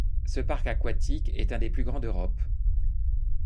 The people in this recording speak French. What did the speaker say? Ce parc aquatique est un des plus grands d'Europe.